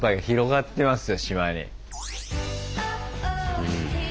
うん。